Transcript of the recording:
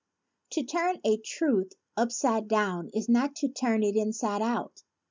To turn a truth upside down is not to turn it inside out.